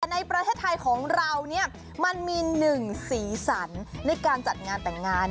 ในประเทศไทยของเราเนี่ยมันมีหนึ่งสีสันในการจัดงานแต่งงาน